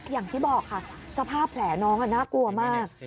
อย่างที่บอกค่ะสภาพแผลน้องน่ากลัวมาก